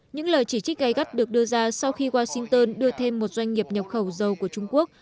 những lời chỉ trích gây gắt được đưa ra sau khi washington đưa thêm một doanh nghiệp nhập khẩu dầu của trung quốc